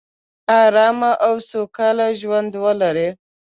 ارامه او سوکاله ژوندولري